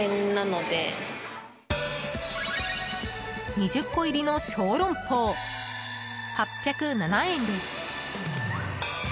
２０個入りの小龍包８０７円です。